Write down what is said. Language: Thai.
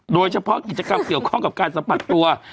โดยเฉพาะกิจกรรมเกี่ยวข้องกับการสัมผัสตัว